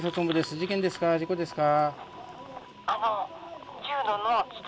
事故ですか？